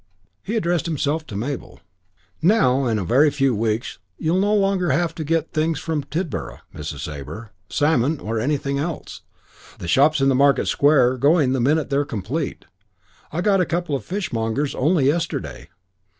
He addressed himself to Mabel. "Now in a very few weeks you'll no longer have to get things from Tidborough, Mrs. Sabre salmon or anything else. The shops in Market Square are going the minute they're complete. I got a couple of fishmongers only yesterday."